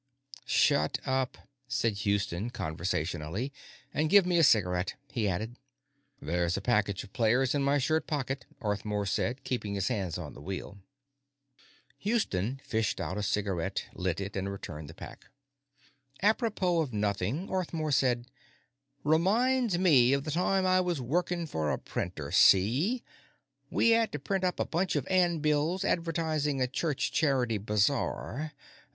"Shut up," said Houston conversationally. "And give me a cigarette," he added. "There's a package of Players in my shirt pocket," Arthmore said, keeping his hands on the wheel. Houston fished out a cigarette, lit it, and returned the pack. Apropos of nothing, Arthmore said: "Reminds me of the time I was workin' for a printer, see? We 'ad to print up a bunch of 'andbills advertisin' a church charity bazaar.